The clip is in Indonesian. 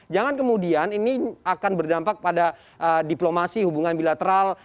jangan kemudian ini akan berdampak pada diplomasi hubungan bilateral